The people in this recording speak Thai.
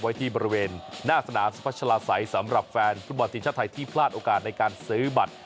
ไว้ที่บริเวณหน้าสนามสุพัชลาศัยสำหรับแฟนฟุตบอลทีมชาติไทยที่พลาดโอกาสในการซื้อบัตร